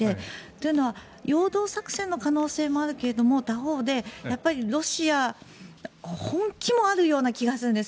というのは陽動作戦の可能性もあるけど他方でロシア本気もあるような気がするんです。